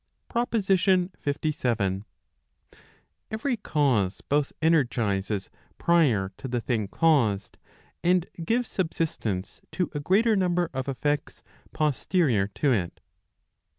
PROPOSITION LVII. Every cause both energizes prion to the thing caused, and gives subsistence to a greater number of effects posterior to it.